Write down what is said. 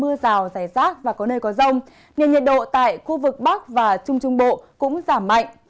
mưa rào rải rác và có nơi có rông nền nhiệt độ tại khu vực bắc và trung trung bộ cũng giảm mạnh